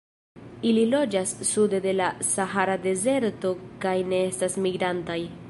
Ili loĝas sude de la Sahara Dezerto kaj ne estas migrantaj.